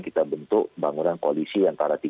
kita bentuk bangunan koalisi antara